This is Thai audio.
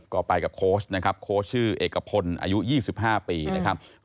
ก่อไปกับโค้ชนะครับโค้ชชื่อเอกพลอายุยี่สิบห้าปีนะครับอืม